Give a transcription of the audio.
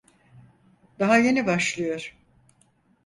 Daha yeni başlıyor.